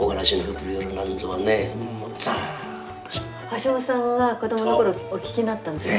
橋本さんが子どもの頃お聞きになったんですか？